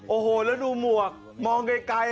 โอ้โหแล้วดูหมวกมองไกล